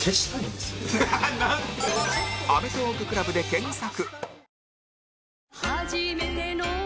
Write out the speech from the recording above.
「アメトーーク ＣＬＵＢ」で検索